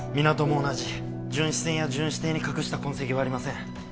港も同じ巡視船や巡視艇に隠した痕跡はありません